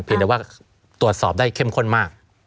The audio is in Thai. แต่ว่าตรวจสอบได้เข้มข้นมาก